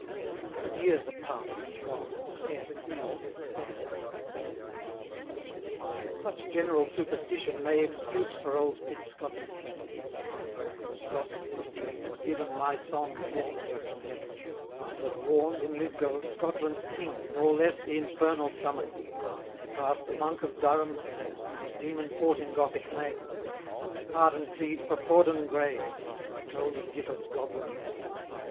An hundred years are pass'd and gone, And scarce three letters has he won. Such general superstition may Excuse for old Pitscottie say; 205 Whose gossip history has given My song the messenger from Heaven, That warn'd, in Lithgow, Scotland's King, Nor less the infernal summoning; May pass the Monk of Durham's tale, 210 Whose Demon fought in Gothic mail; May pardon plead for Fordun grave, Who told of Gifford's Goblin Cave.